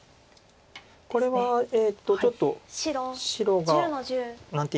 これはちょっと白が何ていいますか。